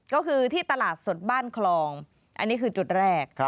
ก็คือที่ตลาดสดบ้านคลองอันนี้คือจุดแรก